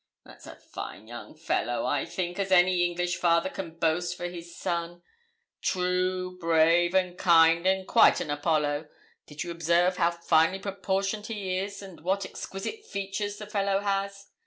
'That's as fine a young fellow, I think, as any English father can boast for his son true, brave, and kind, and quite an Apollo. Did you observe how finely proportioned he is, and what exquisite features the fellow has?